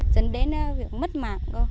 dẫn đến việc mất mạng cô